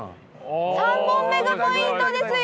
３本目がポイントですよ！